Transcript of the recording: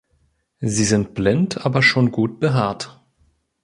Sie sind blind, aber schon gut behaart.